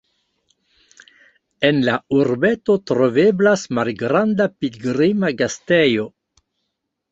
En la urbeto troveblas malgranda pilgrima gastejo.